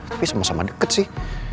tapi sama sama deket sih